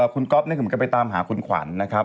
คุณก๊อฟนี่ก็เหมือนกันไปตามหาคุณขวัญนะครับ